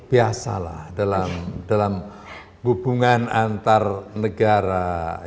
biasalah dalam hubungan antar negara